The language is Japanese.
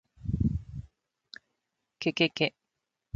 kkk